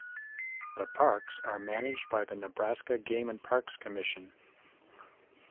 The parks are managed by the Nebraska Game and Parks Commission.